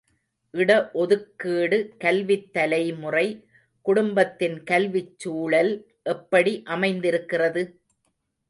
இட ஒதுக்கீடு கல்வித் தலைமுறை குடும்பத்தின் கல்விச் சூழல் எப்படி அமைந்திருக்கிறது?